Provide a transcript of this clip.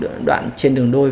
đó là cái đoạn trên đường đôi